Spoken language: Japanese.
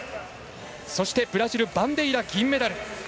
そして、ブラジルのバンデイラが銀メダル。